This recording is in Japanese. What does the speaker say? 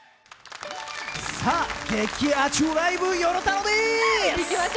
さあ、激アツライブよろたのですー！